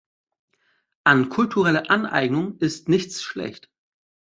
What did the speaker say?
An kultureller Aneignung ist nichts schlecht.